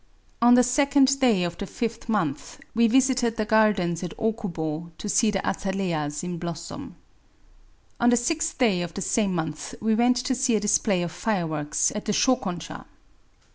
^♦♦♦♦♦♦ On the second day of the fifth month we visited [the gardens at] Okubo to see the azaleas in blossom. On the sixth day of the same month we went to see a display of fireworks at the Shokonsha.